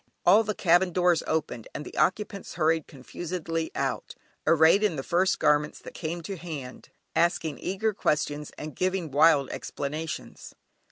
All the cabin doors opened, and the occupants hurried confusedly out, arrayed in the first garments that came to hand, asking eager questions, and giving wild explanations.